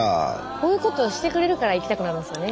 こういうことしてくれるから行きたくなるんですよね